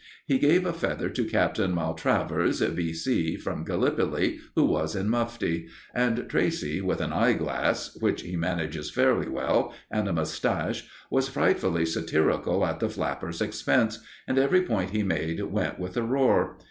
He gave a feather to Captain Maltravers, V.C., from Gallipoli, who was in mufti; and Tracey, with an eyeglass which he manages fairly well and a moustache, was frightfully satirical at the flapper's expense, and every point he made went with a roar.